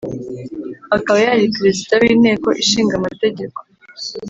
akaba yari perezida w' inteko ishinga amategeko.